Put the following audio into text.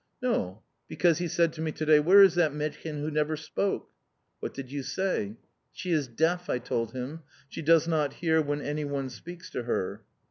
"No, because he said to me to day, 'Where is that mädchen who never spoke?'" "What did you say?" "She is deaf," I told him. "She does not hear when anyone speaks to her!"